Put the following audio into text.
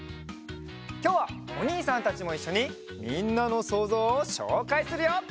きょうはおにいさんたちもいっしょにみんなのそうぞうをしょうかいするよ！